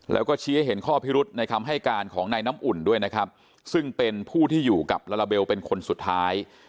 แล้วก็ชี้ให้เห็นข้อพิรุษในคำให้การของนายน้ำอุ่นด้วยนะครับซึ่งเป็นผู้ที่อยู่กับลาลาเบลเป็นคนสุดท้าย